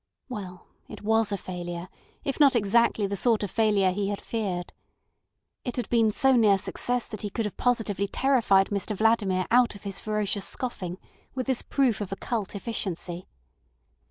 Well, it was a failure, if not exactly the sort of failure he had feared. It had been so near success that he could have positively terrified Mr Vladimir out of his ferocious scoffing with this proof of occult efficiency.